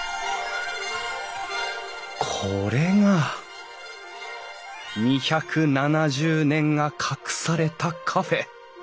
これが２７０年が隠されたカフェ。